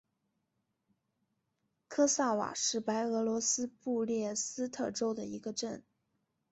科萨瓦是白俄罗斯布列斯特州的一个镇。